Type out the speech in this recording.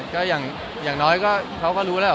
ก็อย่างน้อยก็เขาก็รู้แล้ว